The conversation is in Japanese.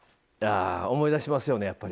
思い出しますよね。